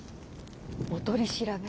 お取り調べ？